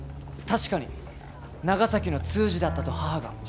確かに長崎の通詞だったと母が。